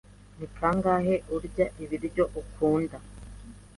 Ni kangahe urya ibiryo udakunda?